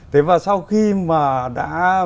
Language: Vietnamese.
thế và sau khi mà đã